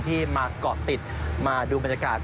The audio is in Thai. ที่มาเกาะติดมาดูบรรยากาศ